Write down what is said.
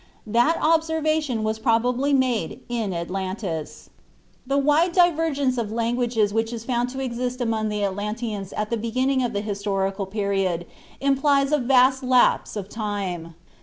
That observation was probably made in Atlantis. The wide divergence of languages which is found to exist among the Atlanteans at the beginning of the Historical Period implies a vast lapse of time.